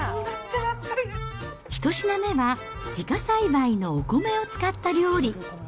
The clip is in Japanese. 一品目は自家栽培のお米を使った料理。